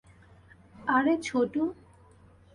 আরে ছোটু।